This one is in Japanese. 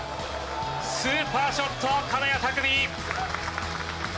スーパーショット、金谷拓実。